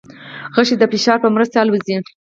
غشی د فشار په مرسته الوزي.